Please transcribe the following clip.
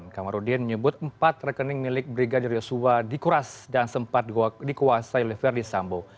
kamarudin menyebut empat rekening milik brigadir yosua dikuras dan sempat dikuasai oleh verdi sambo